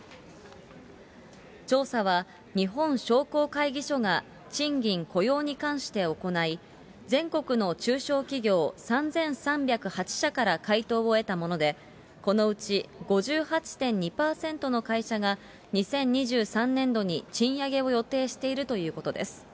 調査は日本商工会議所が賃金雇用に関して行い、全国の中小企業３３０８社から回答を得たもので、このうち５８．２％の会社が、２０２３年度に賃上げを予定しているということです。